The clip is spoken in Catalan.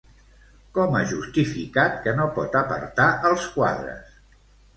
Com ha justificat que no pot apartar els quadres?